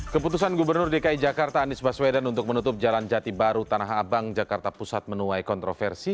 keputusan gubernur dki jakarta anies baswedan untuk menutup jalan jati baru tanah abang jakarta pusat menuai kontroversi